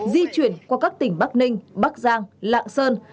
di chuyển qua các tỉnh bắc ninh bắc giang lạng sơn